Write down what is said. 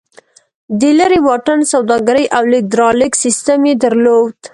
د لېرې واټن سوداګري او لېږد رالېږد سیستم یې درلود